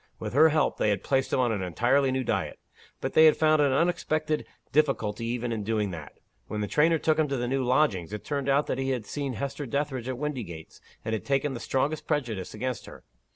With her help, they had placed him on an entirely new diet. But they had found an unexpected difficulty even in doing that. When the trainer took him to the new lodgings, it turned out that he had seen Hester Dethridge at Windygates, and had taken the strongest prejudice against her.